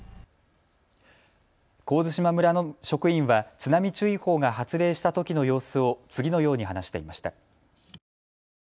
神津島村の職員は津波注意報が発令したときの様子を次のように話していました。